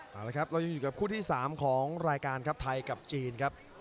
ต้องลุยอยู่กับคู่ที่๓ของรายการครับไทยเมืองจีน